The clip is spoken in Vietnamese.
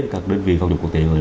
các đơn vị phòng chống quốc tế